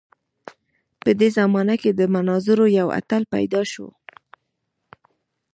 په دې زمانه کې د مناظرو یو اتل راپیدا شو.